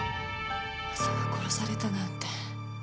まさか殺されたなんて。